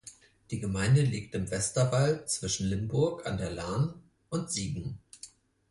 Die Gemeinde liegt im Westerwald zwischen Limburg an der Lahn und Siegen.